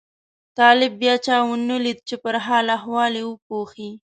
طالب بیا چا ونه لیده چې پرې حال احوال وپوښي.